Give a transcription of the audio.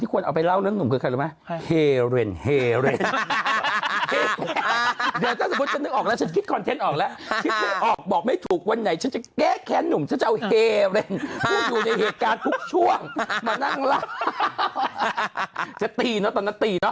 ที่ควรเอาไปเล่าเรื่องนุ่มคือคืออะไรหรือไหม